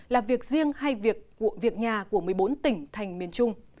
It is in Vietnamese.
là việc riêng hay việc của việc nhà của một mươi bốn tỉnh thành miền trung